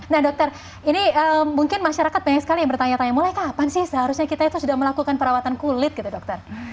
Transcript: nah dokter ini mungkin masyarakat banyak sekali yang bertanya tanya mulai kapan sih seharusnya kita itu sudah melakukan perawatan kulit gitu dokter